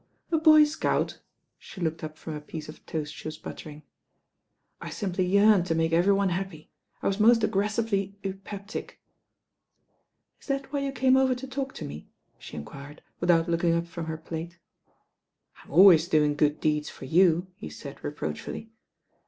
"A boy scout I" She looked up from a piece cf toast she was buttering. "I simply yearned to make every one happy. I was most aggressively eupeptic." "Is that why you came over to talk to me?" she enquired without looking up from her plate. "I'm always doing good deeds for you," he said reproachfully.